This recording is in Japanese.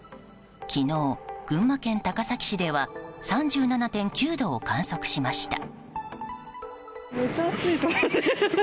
昨日、群馬県高崎市では３７．９度を観測しました。